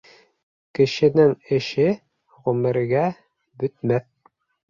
Кешенең эше ғүмергә бөтмәҫ.